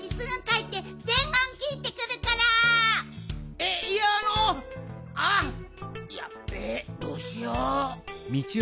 べえどうしよう。